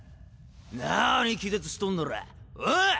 なに気絶しとんならぁおぉ？